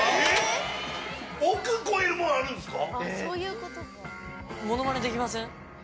億超えるものあるんですか